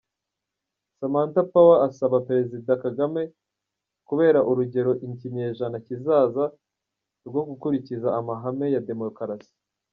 Samatha Power asaba Perezida Kagame kubera urugero ikinyejana kizaza rwo gukurikiza amahame ya Demokarasi.